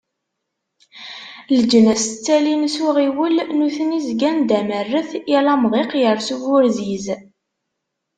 Leǧnas ttalin s uɣiwel, nutni zgan d amerret, yal amḍiq yers uburziz.